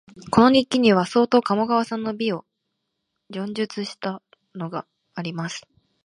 この日記には、相当鴨川の美を叙述したものがあります